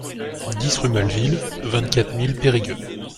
dix rue Maleville, vingt-quatre mille Périgueux